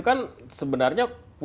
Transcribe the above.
saya tidak tahu